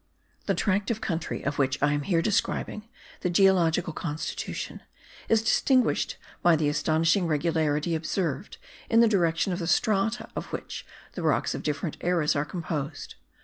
The tract of country of which I am here describing the geological constitution is distinguished by the astonishing regularity observed in the direction of the strata of which the rocks of different eras are composed.